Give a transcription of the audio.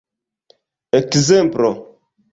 ekzemplo